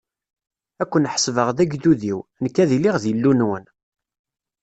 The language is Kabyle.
Ad ken-ḥesbeɣ d agdud-iw, nekk ad iliɣ d Illu-nwen.